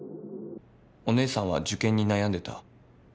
お姉さんは受験に悩んでた。